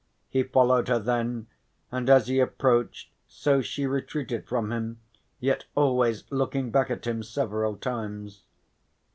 He followed her then, and as he approached so she retreated from him, yet always looking back at him several times.